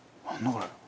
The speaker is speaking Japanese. これ。